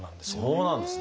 そうなんですね。